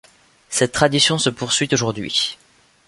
Cette tradition se poursuit aujourd’hui.